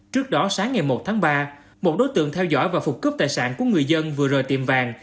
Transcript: trước đó sáng ngày một tháng ba một đối tượng theo dõi và phục cướp tài sản của người dân vừa rời tiệm vàng